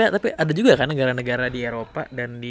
tapi ada juga kan negara negara di eropa